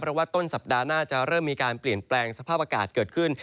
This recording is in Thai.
เพราะว่าต้นสัปดาห์หน้าจะเริ่มมีการเปลี่ยนแปลงสภาพอากาศเกิดขึ้น